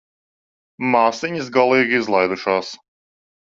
Māsiņas galīgi izlaidušās.